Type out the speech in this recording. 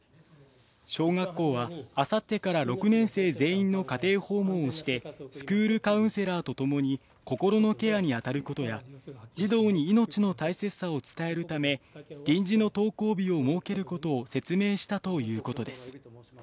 小学校はあさってから６年生全員の家庭訪問をして、スクールカウンセラーと共に、心のケアに当たることや、児童に命の大切さを伝えるため、臨時の登校日を設けることを説明したということです。